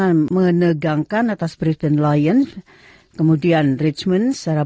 tapi kebenaran saya sebagai gay dan itu adalah masalah